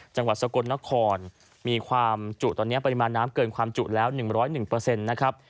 จังหวัดสกลนครมีความจุตอนนี้ปริมาณน้ำเกินความจุแล้ว๑๐๑นะครับ